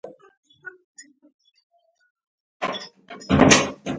زه کله ناکله خپل موبایل پاکوم.